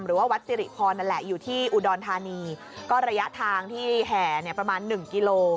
หรือว่าวัดสิริพรนั่นแหละอยู่ที่อุดรธานีก็ระยะทางที่แห่เนี่ยประมาณหนึ่งกิโล